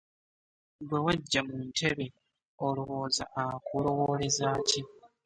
Gwe waggya mu ntebe olowooza akulowooleza ki?